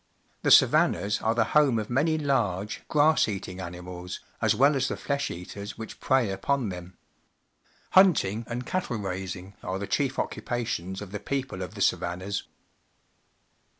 The savannas are the home of many large, grass eating animals, as well as the flesh eaters wliich prey upon them. Hunting and cattle rai.sing are the chief occupations of the people of the savannas.